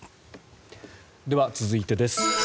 では、続いてです。